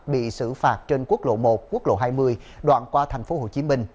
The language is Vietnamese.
bị xử phạt trên quốc lộ một quốc lộ hai mươi đoạn qua thành phố hồ chí minh